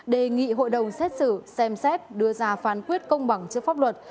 đề nghị hội đồng xét xử xem xét đưa ra phán quyết công bằng trước pháp luật